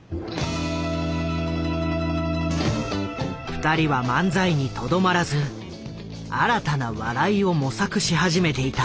二人は漫才にとどまらず新たな笑いを模索し始めていた。